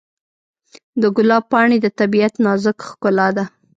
د ګلاب پاڼې د طبیعت نازک ښکلا ده.